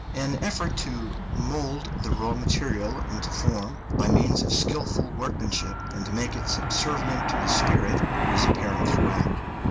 An effort to mould the raw material into form by means of skilful workmanship, and to make it subservient to the {INSTRUMENTAL MUSIC.} (312) spirit, is apparent throughout.